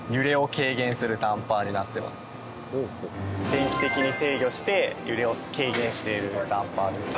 電気的に制御して揺れを軽減しているダンパーですね。